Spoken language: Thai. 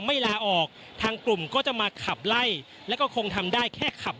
ลาออกทางกลุ่มก็จะมาขับไล่แล้วก็คงทำได้แค่ขับ